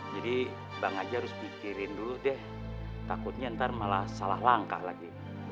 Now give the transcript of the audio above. jadi bang ajiah harus pikirin dulu deh takutnya ntar malah salah langkah lagi